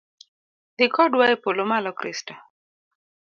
Dhi kodwa epolo malo Kristo